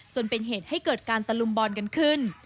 จนเป็นเหตุให้เกิดการตะลุมบอลกันขึ้น